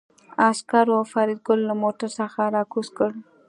عسکرو فریدګل له موټر څخه راکوز کړ